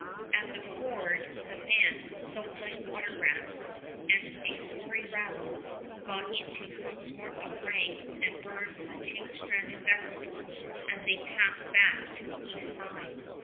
At the ford the men, soaked like water rats, and a sorry rabble, got into some sort of rank and burned the two stranded vessels as they passed back to the east side.